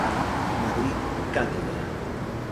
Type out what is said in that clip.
Madrid: Cátedra.